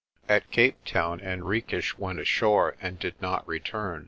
At Cape Town Henriques went ashore and did not return.